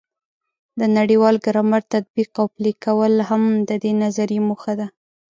د نړیوال ګرامر تطبیق او پلي کول هم د دې نظریې موخه ده.